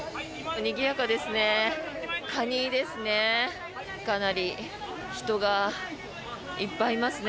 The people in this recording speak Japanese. にぎやかですね。